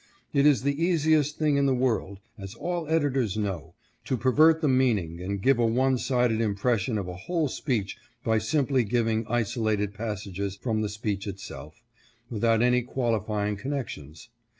It is the easiest thing in the world, as all editors know, to pervert the meaning and give a one sided impression of a whole speech by simply giving isolated passages from the speech itself, without any qualifying connec tions.